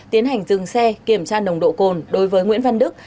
tiến hành dừng xe kiểm tra nồng độ cồn đối với nguyễn văn đức